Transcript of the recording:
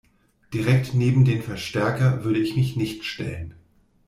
Direkt neben den Verstärker würde ich mich nicht stellen.